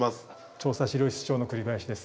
調査史料室長の栗林です。